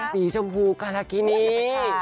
สีชมพูการากินี